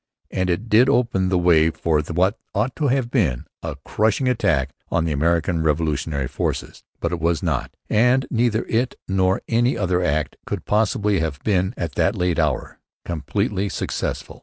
And it did open the way for what ought to have been a crushing attack on the American revolutionary forces. But it was not, and neither it nor any other Act could possibly have been, at that late hour, completely successful.